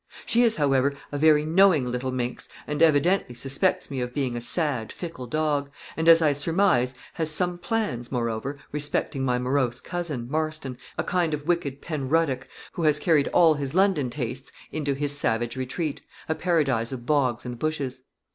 She is, however, a very knowing little minx, and evidently suspects me of being a sad, fickle dog and, as I surmise, has some plans, moreover, respecting my morose cousin, Marston, a kind of wicked Penruddock, who has carried all his London tastes into his savage retreat, a paradise of bogs and bushes.